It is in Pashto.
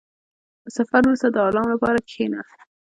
• د سفر وروسته، د آرام لپاره کښېنه.